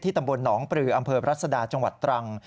ตำบลหนองปลืออำเภอรัศดาจังหวัดตรัง